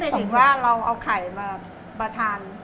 อันนี้หมายถึงว่าเราเอาไข่มาประทาน